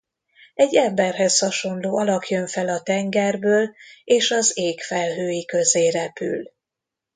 Egy emberhez hasonló alak jön fel a tengerből és az ég felhői közé repül.